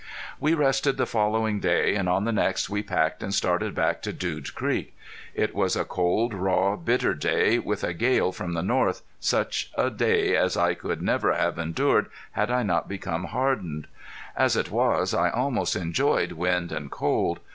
We rested the following day, and on the next we packed and started back to Dude Creek. It was a cold, raw, bitter day, with a gale from the north, such a day as I could never have endured had I not become hardened. As it was I almost enjoyed wind and cold.